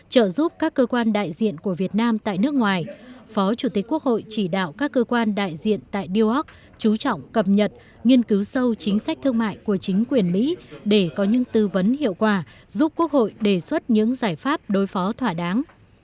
trợ giúp các cơ quan đại diện của việt nam tại nước ngoài phó chủ tịch quốc hội chỉ đạo các cơ quan đại diện tại newark chú trọng cập nhật nghiên cứu sâu chính sách thương mại của chính quyền mỹ để có những tư vấn hiệu quả giúp quốc hội đề xuất những giải pháp đối phó thỏa đáng